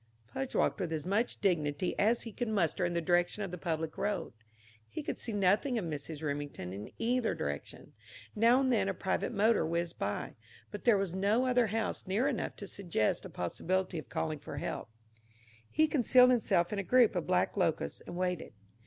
Pudge walked with as much dignity as he could muster in the direction of the public road. He could see nothing of Mrs. Remington in either direction; now and then a private motor whizzed by, but there was no other house near enough to suggest a possibility of calling for help. He concealed himself in a group of black locusts and waited.